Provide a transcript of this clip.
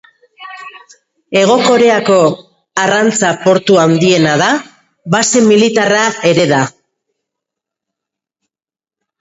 Hego Koreako arrantza portu handiena da; base militarra ere da.